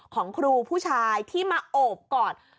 ของครูผู้ชายที่มาโอบกอด